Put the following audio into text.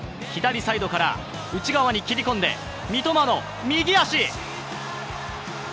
左サイドから内側に切り込んで三笘の右足。